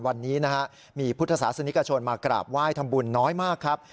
วันนี้นะฮะมีพุทธศาสนิกชนมากราบไหว้ทำบุญน้อยมากครับ